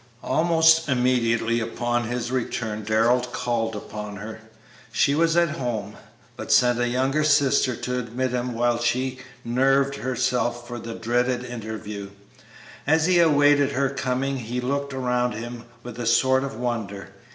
Almost immediately upon his return Darrell called upon her. She was at home, but sent a younger sister to admit him while she nerved herself for the dreaded interview. As he awaited her coming he looked around him with a sort of wonder.